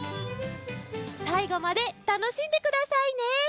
さいごまでたのしんでくださいね！